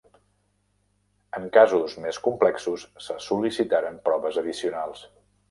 En casos més complexos, se sol·licitaran proves addicionals.